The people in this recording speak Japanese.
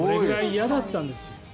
嫌だったんですね。